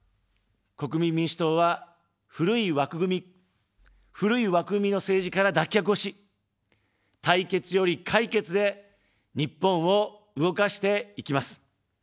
国民民主党は、古い枠組み、古い枠組みの政治から脱却をし、対決より解決で日本を動かしていきます。